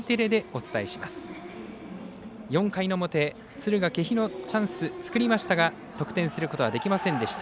４回の表、敦賀気比のチャンス作りましたが得点することはできませんでした。